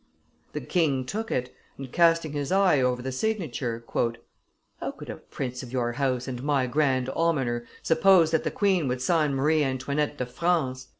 The king took it, and, casting his eye over the signature: "How could a prince of your house and my grand almoner suppose that the queen would sign Marie Antoinette de France?